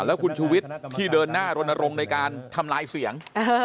แล้วคุณชูวิทย์ที่เดินหน้ารณรงค์ในการทำลายเสียง